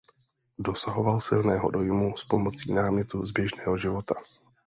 Dosahoval silného dojmu s pomocí námětů z běžného života.